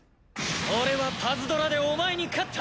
俺はパズドラでお前に勝った！